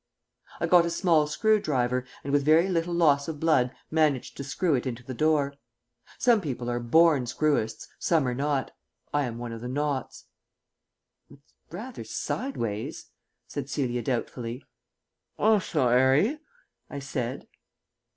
I got a small screw driver, and with very little loss of blood managed to screw it into the door. Some people are born screwists, some are not. I am one of the nots. "It's rather sideways," said Celia doubtfully. "Osso erry," I said.